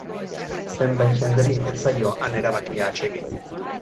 Zenbait jenderi ez zaio han erabakia atsegin.